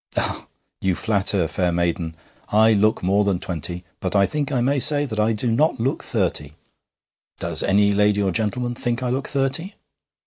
'Ah! you flatter, fair maiden! I look more than twenty, but I think I may say that I do not look thirty. Does any lady or gentleman think I look thirty?